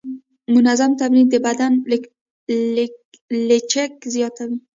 منظم تمرین د بدن لچک زیاتوي.